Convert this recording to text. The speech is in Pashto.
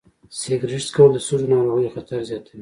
سګرټ څکول د سږو ناروغیو خطر زیاتوي.